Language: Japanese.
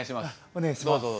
お願いします。